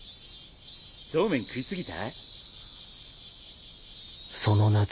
そうめん食い過ぎた？